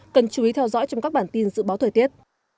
cần chú ý theo dõi trong các bản tin dự báo thời tiết